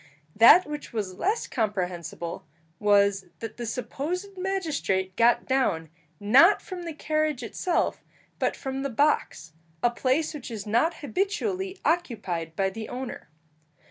That which was less comprehensible was, that the supposed magistrate got down, not from the carriage itself, but from the box, a place which is not habitually occupied by the owner.